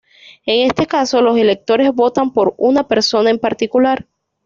En este caso, los electores votan por una persona en particular.